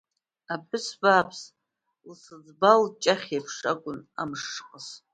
Аԥҳәыс бааԥс лсызбал ҷахьеиԥш акәын амш шыҟаз.